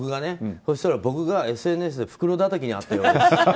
そしたら僕がＳＮＳで袋だたきにあったようです。